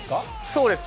そうです。